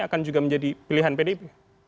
akan juga menjadi pilihan pdip